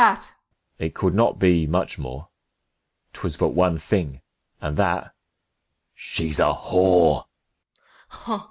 It could not be much more ; 'Twas but one thing, and that — she's a whore.